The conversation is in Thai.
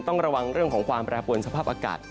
ต้องระวังเรื่องของความแปรปวนสภาพอากาศ